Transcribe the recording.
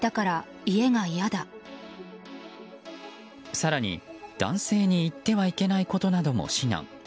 更に、男性に言ってはいけないことなども指南。